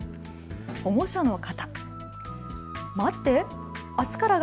保護者の方。